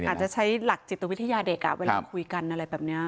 อาจจะใช้หลักจิตวิทยาเด็กเวลาคุยกันอะไรแบบนี้